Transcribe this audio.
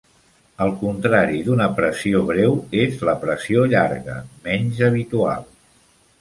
El contrari d'una pressió breu és la pressió llarga, menys habitual.